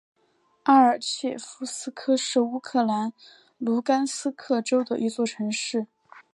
阿尔切夫斯克是乌克兰卢甘斯克州的一座城市。